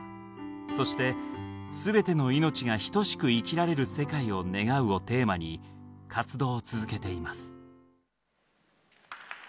そして「すべての命がひとしく生きられる世界を願う」をテーマに活動を続けています。